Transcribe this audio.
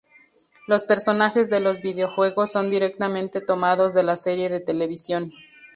Los personajes de los videojuegos son directamente tomados de la serie de televisión.